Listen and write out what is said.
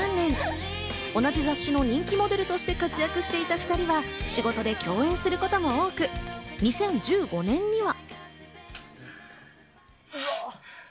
同じ雑誌の人気モデルとして活躍していた２人は仕事で共演することも多く、２０１５年には。